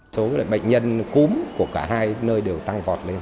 số bệnh nhân cúm của cả hai nơi đều tăng vọt lên